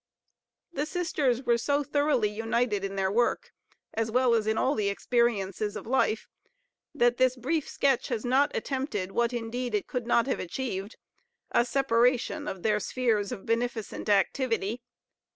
The sisters were so thoroughly united in their work, as well as in all the experiences of life, that this brief sketch has not attempted what indeed it could not have achieved a separation of their spheres of beneficent activity.